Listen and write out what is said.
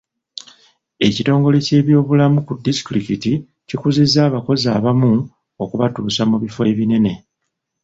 Ekitongole ky'ebyobulamu ku disitulikiti kikuzizza abakozi abamu okubatuusa mu bifo ebinene.